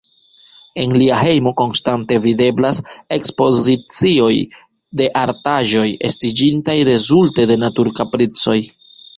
En lia hejmo konstante videblas ekspozicio de artaĵoj, estiĝintaj rezulte de naturkapricoj.